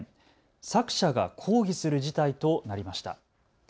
作者が抗議する事態となりました。